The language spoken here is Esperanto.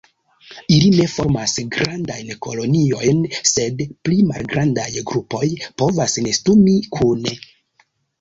Ili ne formas grandajn koloniojn, sed pli malgrandaj grupoj povas nestumi kune.